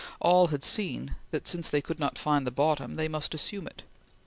All had seen that, since they could not find bottom, they must assume it.